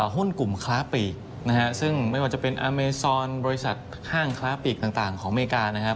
หุ้นกลุ่มคล้าปีกนะฮะซึ่งไม่ว่าจะเป็นอเมซอนบริษัทห้างคล้าปีกต่างของอเมริกานะครับ